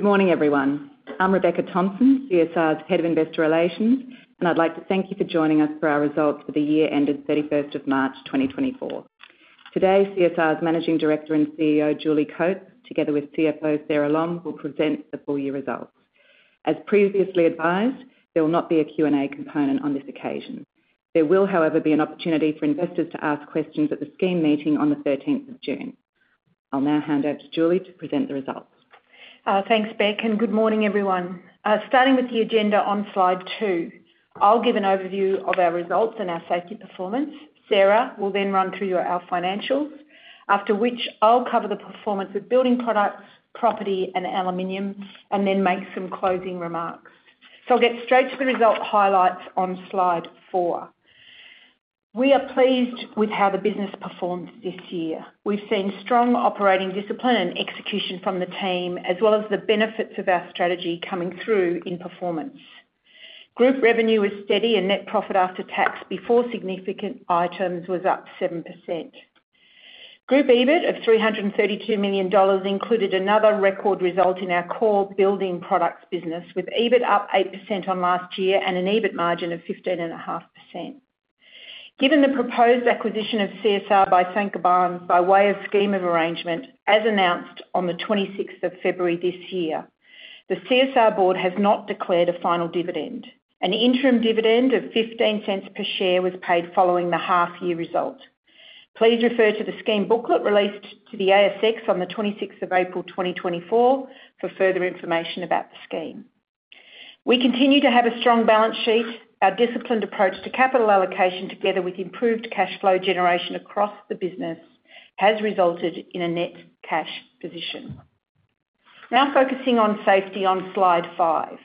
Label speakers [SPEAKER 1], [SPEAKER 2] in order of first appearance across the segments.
[SPEAKER 1] Good morning, everyone. I'm Rebecca Thompson, CSR's Head of Investor Relations, and I'd like to thank you for joining us for our results for the year ended 31st of March, 2024. Today, CSR's Managing Director and CEO, Julie Coates, together with CFO, Sara Lom, will present the full year results. As previously advised, there will not be a Q&A component on this occasion. There will, however, be an opportunity for investors to ask questions at the scheme meeting on the 13th of June. I'll now hand over to Julie to present the results.
[SPEAKER 2] Thanks, Beck, and good morning, everyone. Starting with the agenda on slide two, I'll give an overview of our results and our safety performance. Sara will then run through our financials, after which I'll cover the performance of building products, property, and aluminium, and then make some closing remarks. So I'll get straight to the result highlights on slide four. We are pleased with how the business performs this year. We've seen strong operating discipline and execution from the team, as well as the benefits of our strategy coming through in performance. Group revenue was steady, and net profit after tax before significant items was up 7%. Group EBIT of 332 million dollars included another record result in our core building products business, with EBIT up 8% on last year and an EBIT margin of 15.5%. Given the proposed acquisition of CSR by Saint-Gobain by way of scheme of arrangement as announced on the 26th of February this year, the CSR board has not declared a final dividend. An interim dividend of 0.15 per share was paid following the half-year result. Please refer to the scheme booklet released to the ASX on the 26th of April, 2024, for further information about the scheme. We continue to have a strong balance sheet. Our disciplined approach to capital allocation, together with improved cash flow generation across the business, has resulted in a net cash position. Now focusing on safety on slide five.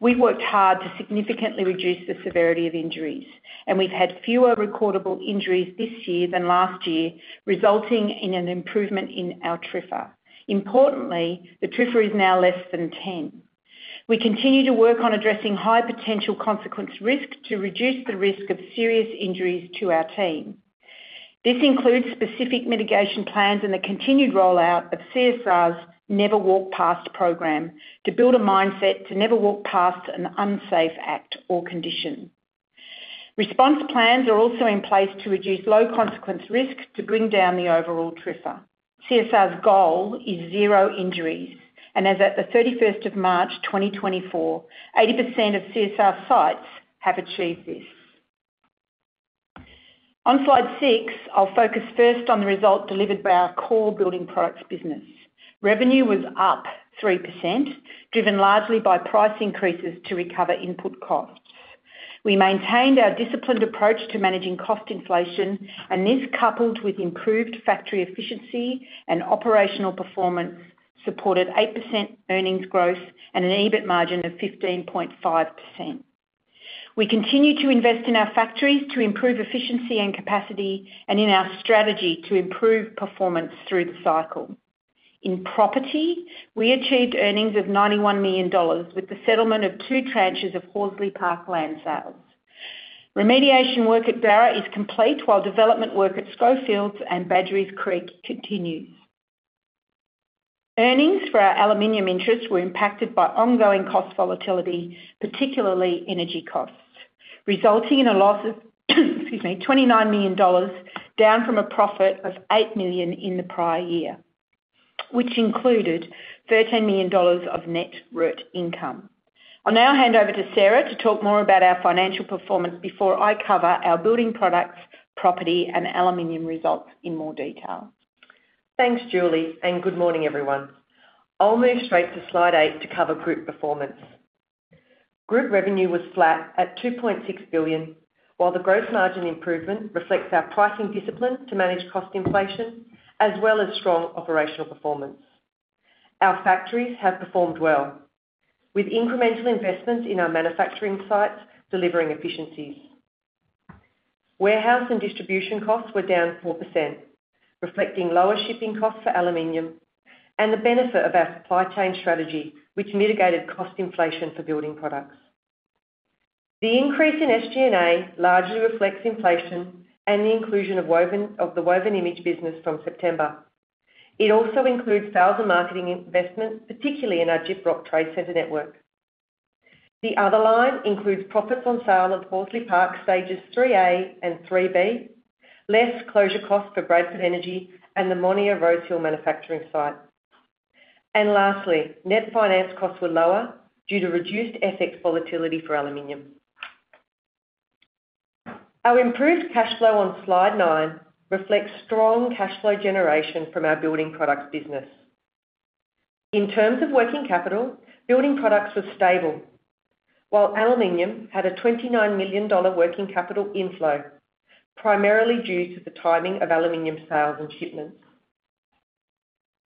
[SPEAKER 2] We've worked hard to significantly reduce the severity of injuries, and we've had fewer recordable injuries this year than last year, resulting in an improvement in our TRIFR. Importantly, the TRIFR is now less than 10. We continue to work on addressing high potential consequence risk to reduce the risk of serious injuries to our team. This includes specific mitigation plans and the continued rollout of CSR's Never Walk Past program to build a mindset to never walk past an unsafe act or condition. Response plans are also in place to reduce low consequence risk to bring down the overall TRIFR. CSR's goal is zero injuries, and as at the 31st of March, 2024, 80% of CSR sites have achieved this. On slide six, I'll focus first on the result delivered by our core building products business. Revenue was up 3%, driven largely by price increases to recover input costs. We maintained our disciplined approach to managing cost inflation, and this, coupled with improved factory efficiency and operational performance, supported 8% earnings growth and an EBIT margin of 15.5%. We continue to invest in our factories to improve efficiency and capacity, and in our strategy to improve performance through the cycle. In property, we achieved earnings of 91 million dollars with the settlement of two tranches of Horsley Park land sales. Remediation work at Darra is complete, while development work at Schofields and Badgerys Creek continues. Earnings for our aluminium interests were impacted by ongoing cost volatility, particularly energy costs, resulting in a loss of - excuse me - 29 million dollars down from a profit of 8 million in the prior year, which included 13 million dollars of net RET income. I'll now hand over to Sara to talk more about our financial performance before I cover our building products, property, and aluminium results in more detail.
[SPEAKER 3] Thanks, Julie, and good morning, everyone. I'll move straight to slide eight to cover group performance. Group revenue was flat at 2.6 billion, while the gross margin improvement reflects our pricing discipline to manage cost inflation, as well as strong operational performance. Our factories have performed well, with incremental investments in our manufacturing sites delivering efficiencies. Warehouse and distribution costs were down 4%, reflecting lower shipping costs for aluminium and the benefit of our supply chain strategy, which mitigated cost inflation for building products. The increase in SG&A largely reflects inflation and the inclusion of the Woven Image business from September. It also includes AUD 1 million marketing investment, particularly in our Gyprock Trade Centre network. The other line includes profits on sale of Horsley Park stages 3A and 3B, less closure costs for Bradford Energy and the Monier Rosehill manufacturing site. Lastly, net finance costs were lower due to reduced FX volatility for aluminium. Our improved cash flow on slide nine reflects strong cash flow generation from our building products business. In terms of working capital, building products were stable, while aluminium had a 29 million dollar working capital inflow, primarily due to the timing of aluminium sales and shipments.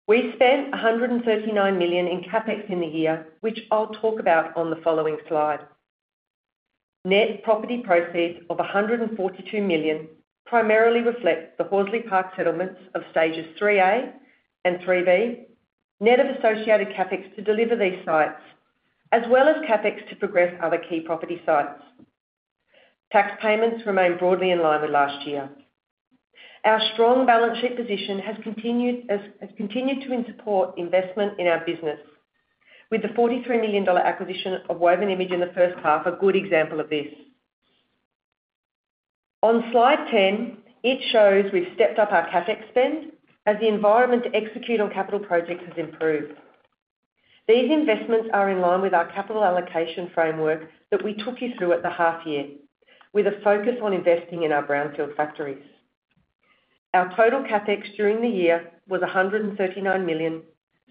[SPEAKER 3] We spent 139 million in CAPEX in the year, which I'll talk about on the following slide. Net property proceeds of 142 million primarily reflect the Horsley Park settlements of stages 3A and 3B, net of associated CAPEX to deliver these sites, as well as CAPEX to progress other key property sites. Tax payments remain broadly in line with last year. Our strong balance sheet position has continued to support investment in our business, with the 43 million dollar acquisition of Woven Image in the first half a good example of this. On slide 10, it shows we've stepped up our CAPEX spend as the environment to execute on capital projects has improved. These investments are in line with our capital allocation framework that we took you through at the half-year, with a focus on investing in our brownfield factories. Our total CAPEX during the year was 139 million,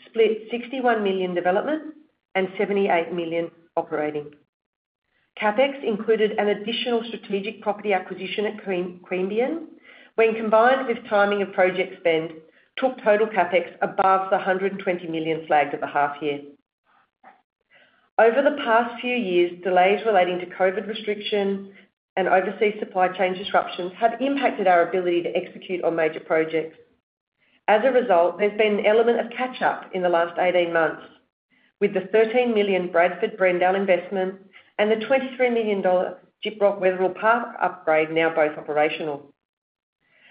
[SPEAKER 3] split 61 million development and 78 million operating. CAPEX included an additional strategic property acquisition at Queanbeyan, which, combined with timing of project spend, took total CAPEX above the 120 million flagged at the half-year. Over the past few years, delays relating to COVID restriction and overseas supply chain disruptions have impacted our ability to execute on major projects. As a result, there's been an element of catch-up in the last 18 months, with the 13 million Bradford Brendale investment and the 23 million dollar Gyprock Wetherill Park upgrade now both operational.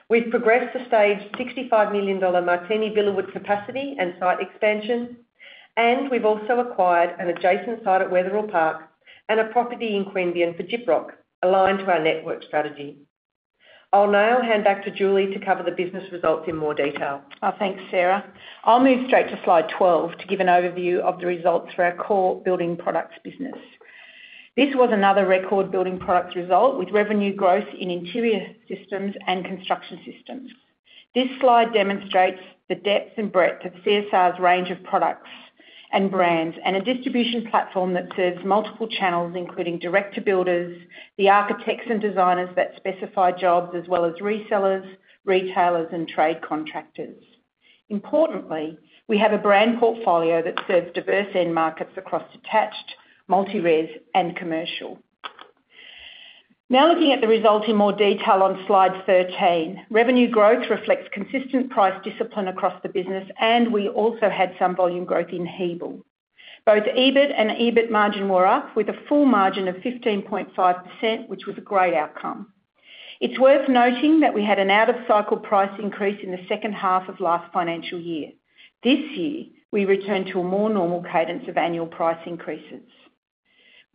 [SPEAKER 3] We've progressed to stage 65 million dollar CSR Martini Villawood capacity and site expansion, and we've also acquired an adjacent site at Wetherill Park and a property in Queanbeyan for Gyprock, aligned to our network strategy. I'll now hand back to Julie to cover the business results in more detail.
[SPEAKER 2] Thanks, Sara. I'll move straight to slide 12 to give an overview of the results for our core building products business. This was another record building products result with revenue growth in interior systems and construction systems. This slide demonstrates the depth and breadth of CSR's range of products and brands and a distribution platform that serves multiple channels, including direct to builders, the architects and designers that specify jobs, as well as resellers, retailers, and trade contractors. Importantly, we have a brand portfolio that serves diverse end markets across detached, multi-res, and commercial. Now looking at the result in more detail on slide 13, revenue growth reflects consistent price discipline across the business, and we also had some volume growth in Hebel. Both EBIT and EBIT margin were up, with a full margin of 15.5%, which was a great outcome. It's worth noting that we had an out-of-cycle price increase in the second half of last financial year. This year, we returned to a more normal cadence of annual price increases.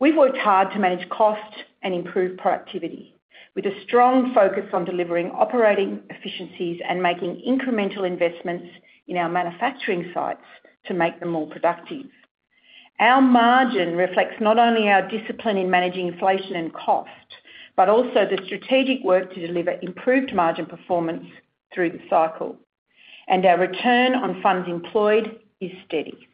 [SPEAKER 2] We've worked hard to manage cost and improve productivity, with a strong focus on delivering operating efficiencies and making incremental investments in our manufacturing sites to make them more productive. Our margin reflects not only our discipline in managing inflation and cost, but also the strategic work to deliver improved margin performance through the cycle, and our return on funds employed is steady.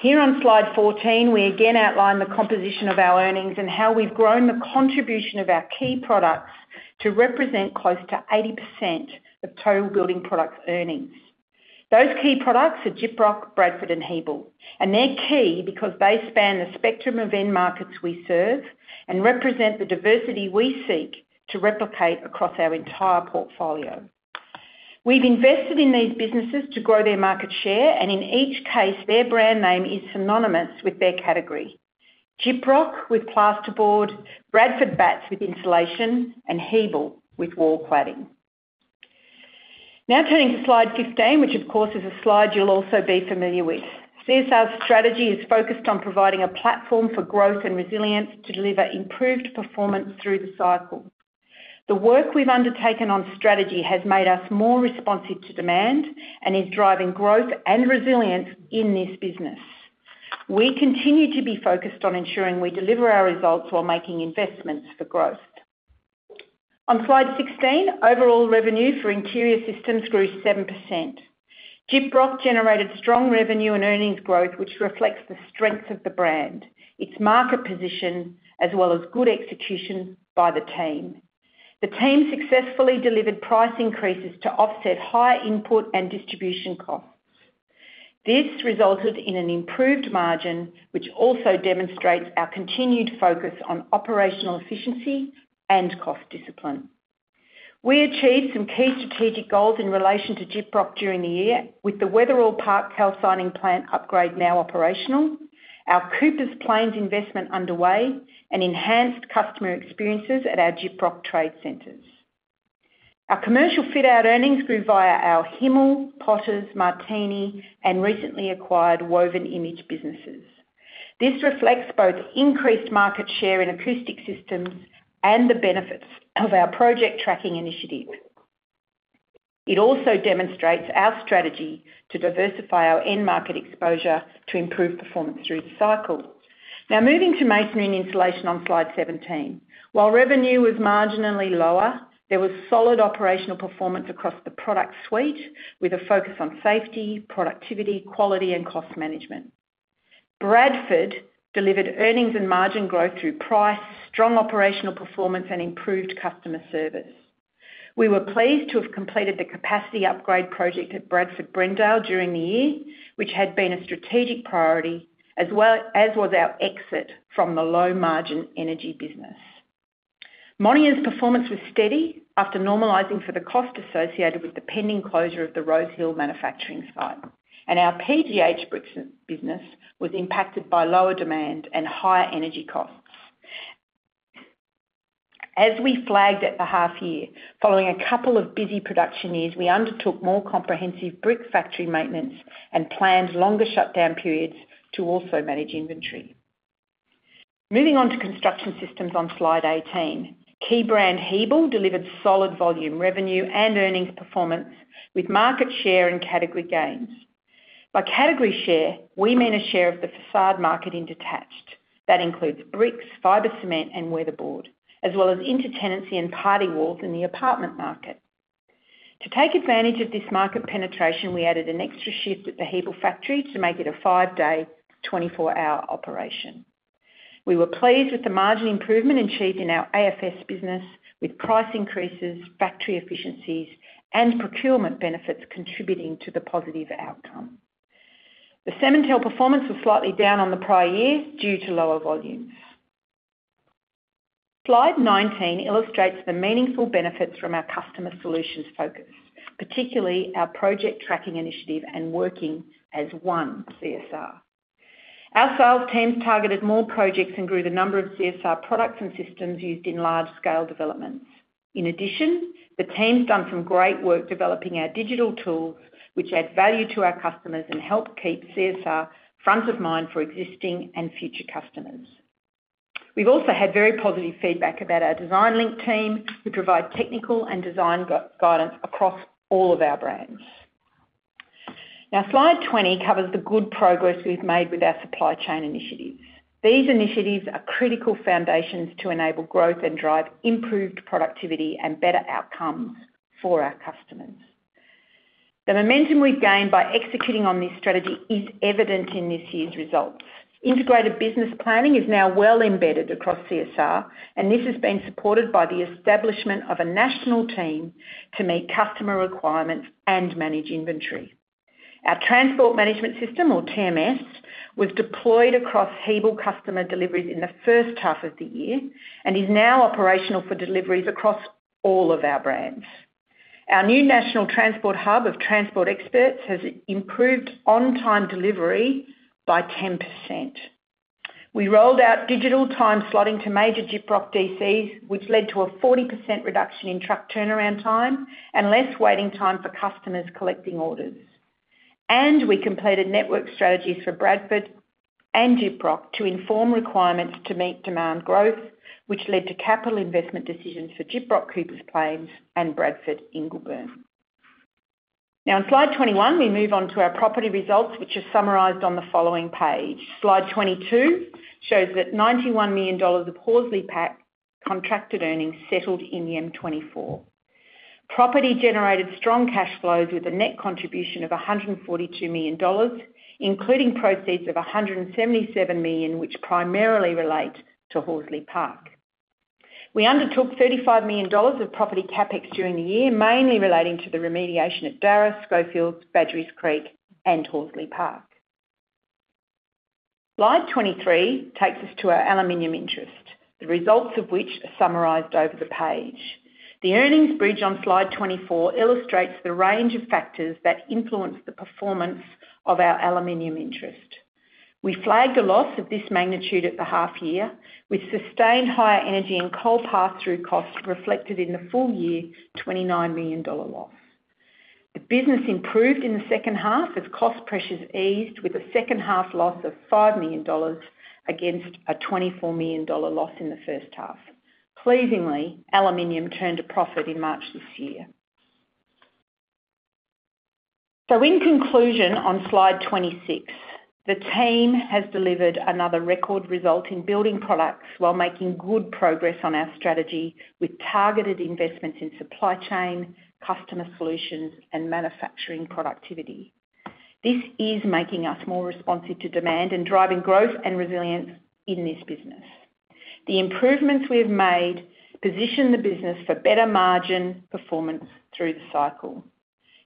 [SPEAKER 2] Here on slide 14, we again outline the composition of our earnings and how we've grown the contribution of our key products to represent close to 80% of total building products earnings. Those key products are Gyprock, Bradford, and Hebel, and they're key because they span the spectrum of end markets we serve and represent the diversity we seek to replicate across our entire portfolio. We've invested in these businesses to grow their market share, and in each case, their brand name is synonymous with their category: Gyprock with plasterboard, Bradford Batts with insulation, and Hebel with wall cladding. Now turning to slide 15, which, of course, is a slide you'll also be familiar with. CSR's strategy is focused on providing a platform for growth and resilience to deliver improved performance through the cycle. The work we've undertaken on strategy has made us more responsive to demand and is driving growth and resilience in this business. We continue to be focused on ensuring we deliver our results while making investments for growth. On slide 16, overall revenue for interior systems grew 7%. Gyprock generated strong revenue and earnings growth, which reflects the strength of the brand, its market position, as well as good execution by the team. The team successfully delivered price increases to offset high input and distribution costs. This resulted in an improved margin, which also demonstrates our continued focus on operational efficiency and cost discipline. We achieved some key strategic goals in relation to Gyprock during the year, with the Wetherill Park ceiling plant upgrade now operational, our Coopers Plains investment underway, and enhanced customer experiences at our Gyprock Trade Centres. Our commercial fit-out earnings grew via our Himmel, Potter, Martini, and recently acquired Woven Image businesses. This reflects both increased market share in acoustic systems and the benefits of our project tracking initiative. It also demonstrates our strategy to diversify our end market exposure to improve performance through the cycle. Now moving to masonry and insulation on slide 17. While revenue was marginally lower, there was solid operational performance across the product suite, with a focus on safety, productivity, quality, and cost management. Bradford delivered earnings and margin growth through price, strong operational performance, and improved customer service. We were pleased to have completed the capacity upgrade project at Bradford Brendale during the year, which had been a strategic priority, as well as was our exit from the low-margin energy business. Monier's performance was steady after normalising for the cost associated with the pending closure of the Rosehill manufacturing site, and our PGH Bricks business was impacted by lower demand and higher energy costs. As we flagged at the half-year, following a couple of busy production years, we undertook more comprehensive brick factory maintenance and planned longer shutdown periods to also manage inventory. Moving on to construction systems on slide 18. Key brand Hebel delivered solid volume revenue and earnings performance with market share and category gains. By category share, we mean a share of the façade market in detached. That includes bricks, fibre cement, and weatherboard, as well as intertenancy and party walls in the apartment market. To take advantage of this market penetration, we added an extra shift at the Hebel factory to make it a five-day, 24-hour operation. We were pleased with the margin improvement achieved in our AFS business, with price increases, factory efficiencies, and procurement benefits contributing to the positive outcome. The Cemintel performance was slightly down on the prior year due to lower volumes. Slide 19 illustrates the meaningful benefits from our customer solutions focus, particularly our project tracking initiative and working as one CSR. Our sales teams targeted more projects and grew the number of CSR products and systems used in large-scale developments. In addition, the team's done some great work developing our digital tools, which add value to our customers and help keep CSR front of mind for existing and future customers. We've also had very positive feedback about our DesignLINK team, who provide technical and design guidance across all of our brands. Now slide 20 covers the good progress we've made with our supply chain initiatives. These initiatives are critical foundations to enable growth and drive improved productivity and better outcomes for our customers. The momentum we've gained by executing on this strategy is evident in this year's results. Integrated Business Planning is now well embedded across CSR, and this has been supported by the establishment of a national team to meet customer requirements and manage inventory. Our Transport Management System, or TMS, was deployed across Hebel customer deliveries in the first half of the year and is now operational for deliveries across all of our brands. Our new national transport hub of transport experts has improved on-time delivery by 10%. We rolled out digital time slotting to major Gyprock DCs, which led to a 40% reduction in truck turnaround time and less waiting time for customers collecting orders. We completed network strategies for Bradford and Gyprock to inform requirements to meet demand growth, which led to capital investment decisions for Gyprock Coopers Plains and Bradford Ingleburn. Now on slide 21, we move on to our property results, which are summarized on the following page. Slide 22 shows that 91 million dollars of Horsley Park contracted earnings settled in the FY 2024. Property generated strong cash flows with a net contribution of 142 million dollars, including proceeds of 177 million, which primarily relate to Horsley Park. We undertook 35 million dollars of property CAPEX during the year, mainly relating to the remediation at Darra, Schofields, Badgerys Creek, and Horsley Park. Slide 23 takes us to our aluminium interest, the results of which are summarized over the page. The earnings bridge on slide 24 illustrates the range of factors that influence the performance of our aluminium interest. We flagged a loss of this magnitude at the half-year, with sustained higher energy and coal pass-through costs reflected in the full-year 29 million dollar loss. The business improved in the second half as cost pressures eased, with a second-half loss of 5 million dollars against a 24 million dollar loss in the first half. Pleasingly, aluminium turned a profit in March this year. In conclusion, on slide 26, the team has delivered another record result in building products while making good progress on our strategy with targeted investments in supply chain, customer solutions, and manufacturing productivity. This is making us more responsive to demand and driving growth and resilience in this business. The improvements we have made position the business for better margin performance through the cycle.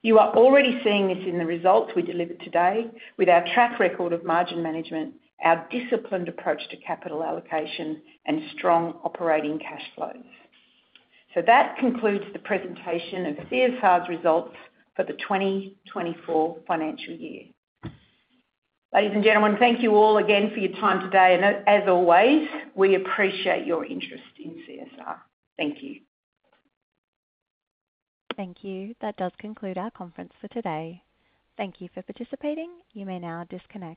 [SPEAKER 2] You are already seeing this in the results we delivered today, with our track record of margin management, our disciplined approach to capital allocation, and strong operating cash flows. That concludes the presentation of CSR's results for the 2024 financial year. Ladies and gentlemen, thank you all again for your time today. As always, we appreciate your interest in CSR. Thank you.
[SPEAKER 4] Thank you. That does conclude our conference for today. Thank you for participating. You may now disconnect.